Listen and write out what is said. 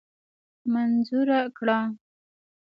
منظوره کړه.